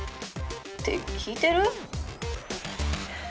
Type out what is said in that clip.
「って聞いてる？」。